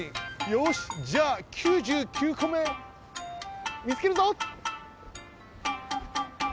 よしじゃあ９９こめみつけるぞ！